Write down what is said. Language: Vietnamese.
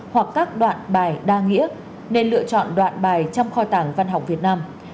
hoặc các đoạn bài đa nghĩa nên lựa chọn đoạn bài trong kho tàng văn học việt nam